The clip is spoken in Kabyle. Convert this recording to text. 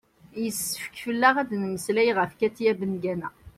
yessefk fell-aɣ ad d-nemmeslay ɣef katia bengana